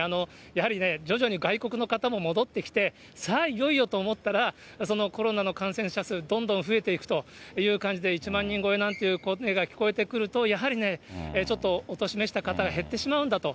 やはりね、徐々に外国の方も戻ってきて、さあ、いよいよと思ったら、コロナの感染者数、どんどん増えていくという感じで、１万人超えなんていう声が聞こえてくると、やはりね、ちょっとお年召した方は減ってしまうんだと。